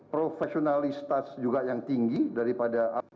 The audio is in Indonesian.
profesionalitas juga yang tinggi daripada